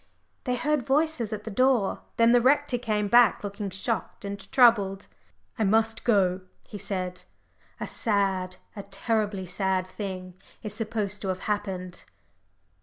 They heard voices at the door then the rector came back, looking shocked and troubled. "I must go out," he said; "a sad, a terribly sad thing is supposed to have happened."